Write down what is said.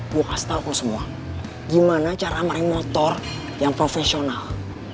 gue kasih tau ke lo semua gimana cara main motor yang profesional